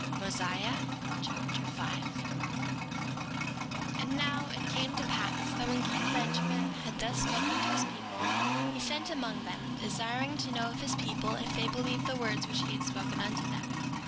Mosiah Chapter 5 5:1 And now, it came to pass that when king Benjamin had thus spoken to his people, he sent among them, desiring to know of his people if they believed the words which he had spoken unto them.